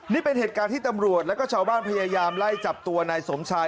นี่เป็นเหตุการณ์ที่ตำรวจแล้วก็ชาวบ้านพยายามไล่จับตัวนายสมชาย